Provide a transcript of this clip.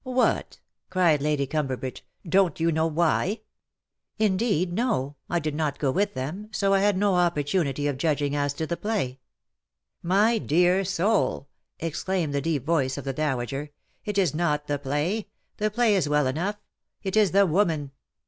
" What \" cried Lady Cumberbridge, " don't you know why ?"" Indeed no. I did not go with them, so I had no opportunity of judging as to the play." *' My dear soul," exclaimed the deep voice of the dowager, '^ it is not the play — the play is well enough — it is the woman